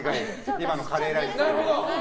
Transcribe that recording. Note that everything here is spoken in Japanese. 今のカレーライス。